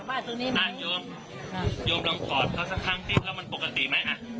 อ่ะโยมโยมลองกอดเขาสักครั้งที่เพราะมันปกติไหมอ่ะ